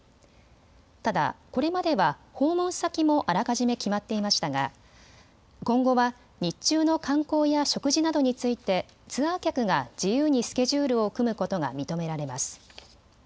ただ、これまでは訪問先もあらかじめ決まっていましたが今後は日中の観光や食事などについてツアー客が自由にスケジュールを組むことが認められます。